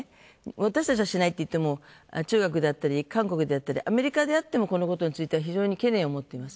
私たちはしないといっても中国であったり、韓国であったり、アメリカであっても非常に懸念を持っています。